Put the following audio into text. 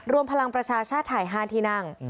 รวมพลังประชาชาติไทย๕ที่นั่ง